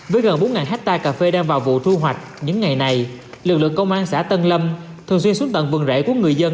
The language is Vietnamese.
với gần bốn hectare cà phê đang vào vụ thu hoạch những ngày này lực lượng công an xã tân lâm thường xuyên xuống tận vườn rễ của người dân